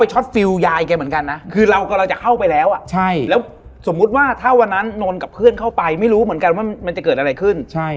หรือ